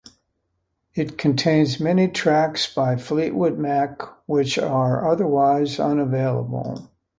It contains many tracks by Fleetwood Mac which are otherwise unavailable.